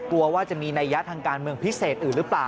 ว่าจะมีนัยยะทางการเมืองพิเศษอื่นหรือเปล่า